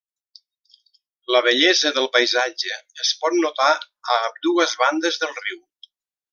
La bellesa del paisatge es pot notar a ambdues bandes del riu.